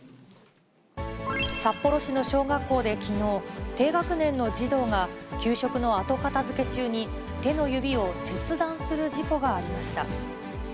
札幌市の小学校で、きのう、低学年の児童が給食の後片づけ中に、手の指を切断する事故がありました。